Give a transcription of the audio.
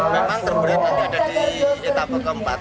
memang terburin yang ada di etapa keempat